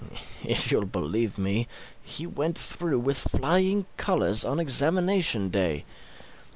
If you'll believe me, he went through with flying colours on examination day!